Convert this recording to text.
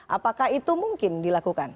apakah itu mungkin dilakukan